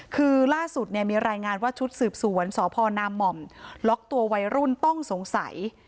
คือล่าสุดมีรายงานว่าชุดสืบสวนสนมล็อกตัววัยรุ่นต้องสงสัย